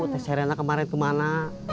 teh serena kemarin kemana